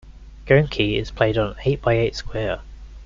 Gounki is played on an eight-by-eight square.